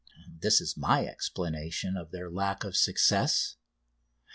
This is my explanation of their lack of success.